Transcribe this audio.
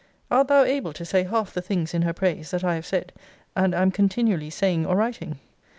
Art thou able to say half the things in her praise, that I have said, and am continually saying or writing?